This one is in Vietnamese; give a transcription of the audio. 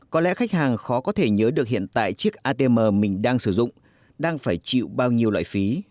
có lẽ khách hàng khó có thể nhớ được hiện tại chiếc atm mình đang sử dụng đang phải chịu bao nhiêu loại phí